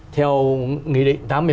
theo nghị định tám mươi một